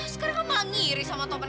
sekarang kamu malah ngiri sama topan